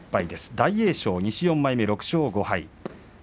大栄翔、西の４枚目で６勝５敗。